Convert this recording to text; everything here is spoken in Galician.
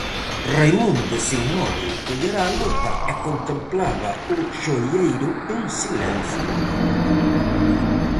Reimúndez, inmóbil, collera a lupa e contemplaba o xoieiro en silencio.